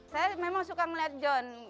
saya memang suka melihat john